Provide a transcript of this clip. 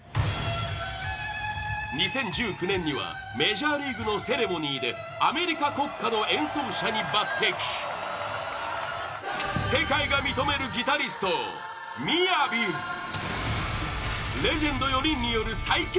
２０１９年にはメジャーリーグのセレモニーでアメリカ国歌の演奏者に抜擢世界が認めるギタリストＭＩＹＡＶＩレジェンド４人による最強